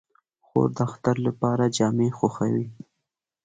خور د اختر لپاره جامې خوښوي.